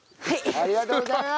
ありがとうございます！